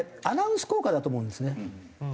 アナウンス効果だと思うんですね。